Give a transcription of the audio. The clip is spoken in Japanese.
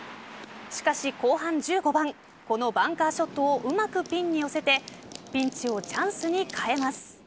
しかし後半１５番このバンカーショットをうまくピンに寄せてピンチをチャンスに変えます。